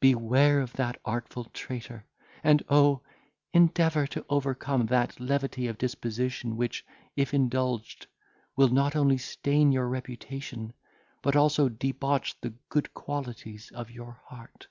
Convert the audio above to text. Beware of that artful traitor; and, oh! endeavour to overcome that levity of disposition, which, if indulged, will not only stain your reputation, but also debauch the good qualities of your heart.